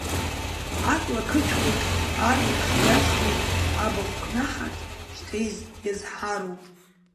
Аҵла қыцә хәыҷ арҩаш иаҵҟьеит, абахә кнаҳаҿ, шьҭа иазҳароуп.